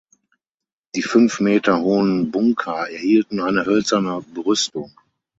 Die fünf Meter hohen Bunker erhielten eine hölzerne Brüstung.